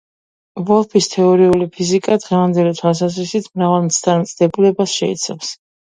ვოლფის „თეორიული ფიზიკა“ დღევანდელი თვალსაზრისით მრავალ მცდარ დებულებას შეიცავს.